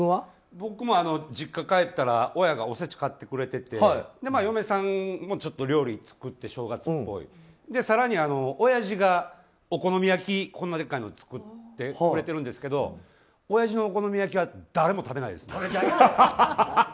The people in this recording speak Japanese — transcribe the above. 僕も実家に帰ったら親がおせちを買ってくれてて嫁さんも料理作って、正月っぽい更に、おやじがお好み焼きこんなでっかいのを作ってくれてるんですけどおやじのお好み焼きは誰も食べないですね。